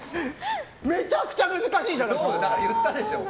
めちゃくちゃ難しいじゃないですか。